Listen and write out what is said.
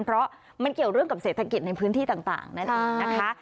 เพราะมันเกี่ยวเรื่องกับเศรษฐกิจในพื้นที่ต่างนั่นเองนะคะ